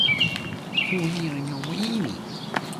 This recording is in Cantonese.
明顯誤導合法移民